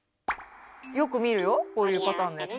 よく見るよこういうパターンのやつ。